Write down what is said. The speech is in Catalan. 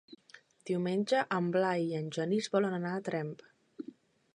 Diumenge en Blai i en Genís volen anar a Tremp.